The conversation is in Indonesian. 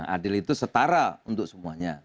adil itu setara untuk semuanya